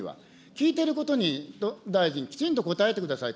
聞いてることに大臣、きちんと答えてください。